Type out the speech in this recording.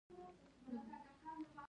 کمپیوټر وژن د انځورونو تحلیل کوي.